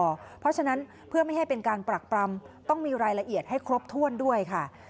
เพราะฉะนั้นเพื่อไม่ให้เป็นการปรักปรำต้องมีรายละเอียดให้ครบถ้วนด้วยค่ะ